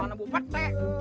mana bu pat t